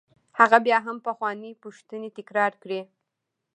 هغه بیا هم پخوانۍ پوښتنې تکرار کړې.